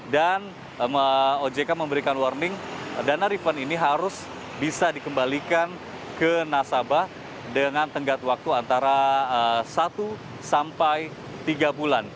dan ojk memberikan warning dana refund ini harus bisa dikembalikan ke nasabah dengan tenggat waktu antara satu sampai dua bulan